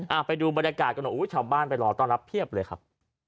ไปดูบรรยากาศกันหน่อยอุ้ยชาวบ้านไปรอต้อนรับเพียบเลยครับ